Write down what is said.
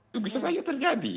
itu bisa saja terjadi